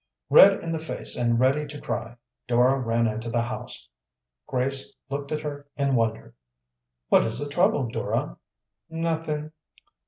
Red in the face and ready to cry, Dora ran into the house. Grace looked at her in wonder. "What is the trouble, Dora?" "Nothing."